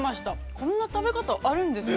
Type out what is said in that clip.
こんな食べ方あるんですね。